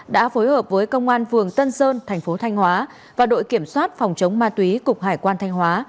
đã phối hợp với công an vườn tân sơn thành phố thanh hóa và đội kiểm soát phòng chống ma túy cục hải quan thanh hóa